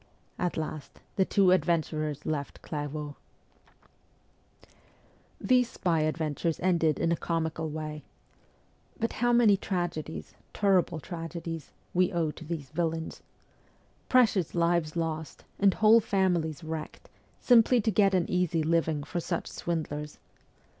At last the two adventurers left Clairvaux. These spy adventures ended in a comical way. But how many tragedies terrible tragedies we owe to these villains ! Precious lives lost, and whole families wrecked, simply to get an easy living for such swindlers.